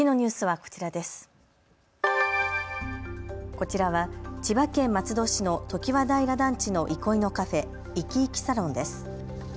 こちらは千葉県松戸市の常盤平団地の憩いのカフェ、いきいきサロンです。